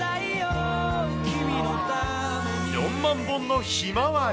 ４万本のひまわり。